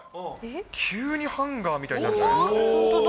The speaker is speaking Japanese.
急にハンガーみたいになるじゃな本当だ。